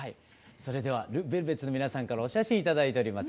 それではＬＥＶＥＬＶＥＴＳの皆さんからお写真頂いております。